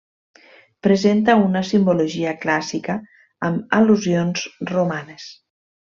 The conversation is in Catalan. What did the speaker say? Presenta una simbologia clàssica, amb al·lusions romanes.